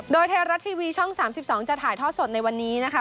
โดยไทยรัฐทีวีช่อง๓๒จะถ่ายทอดสดในวันนี้นะคะ